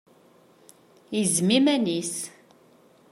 Yezzem iman-is.